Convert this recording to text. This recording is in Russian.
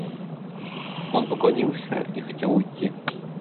Он поклонился и хотел уйти.